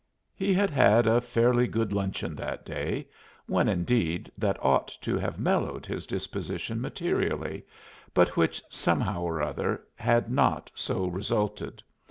He had had a fairly good luncheon that day, one indeed that ought to have mellowed his disposition materially, but which somehow or other had not so resulted.